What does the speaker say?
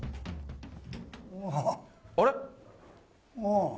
あれ？